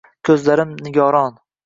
Ko’zlarim nigoron